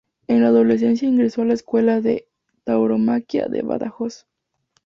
En la adolescencia ingresó en la escuela de tauromaquia de Badajoz.